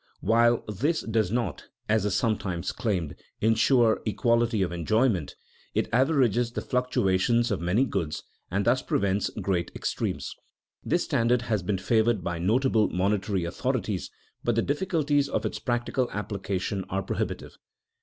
While this does not, as is sometimes claimed, insure equality of enjoyment, it averages the fluctuations of many goods, and thus prevents great extremes. This standard has been favored by notable monetary authorities, but the difficulties of its practical application are prohibitive.